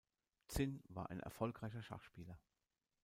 Zinn war ein erfolgreicher Schachspieler.